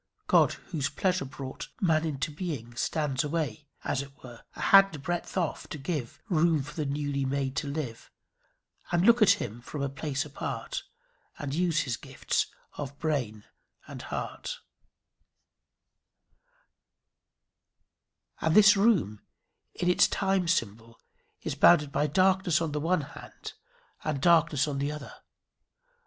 "God, whose pleasure brought Man into being, stands away, As it were, an hand breadth off, to give Room for the newly made to live, And look at Him from a place apart, And use His gifts of brain and heart" and this room, in its time symbol, is bounded by darkness on the one hand, and darkness on the other.